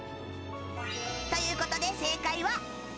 ということで、正解はＡ。